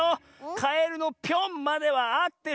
カエルの「ぴょん」まではあってる。